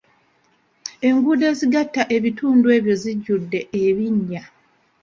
Enguudo ezigatta ebitundu ebyo zijjudde ebinnya.